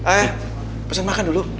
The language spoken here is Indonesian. eh pesen makan dulu